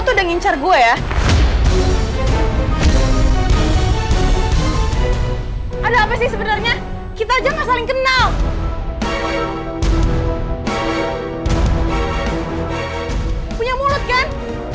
tuh udah ngincar gue ya ada apa sih sebenarnya kita jangan saling kenal punya mulut kan